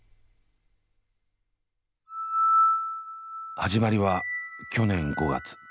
始まりは去年５月。